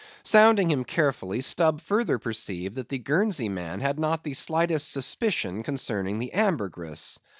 Sounding him carefully, Stubb further perceived that the Guernsey man had not the slightest suspicion concerning the ambergris.